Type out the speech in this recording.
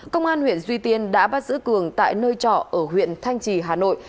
công an huyện duy tiên đã bắt giữ cường tại nơi trọ ở huyện thanh trì hà nội